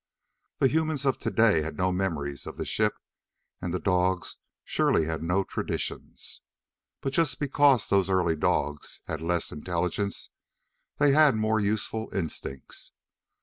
The humans of today had no memories of the ship, and the dogs surely had no traditions. But just because those early dogs had less intelligence, they had more useful instincts.